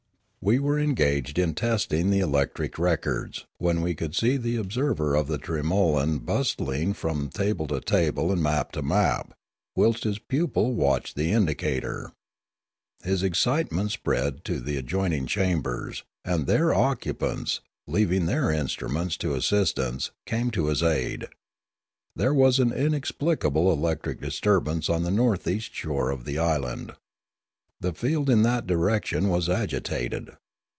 We were engaged in testing the electric records, when we could see the observer of the tremolan bustling from table to table and map to map, whilst his pupil watched the indicator. His excitement spread into the adjoin ing chambers, and their occupants, leaving their instru ments to assistants, came to his aid. There was an inexplicable electric disturbance on the north east shore of the island; the field in that direction was agitated.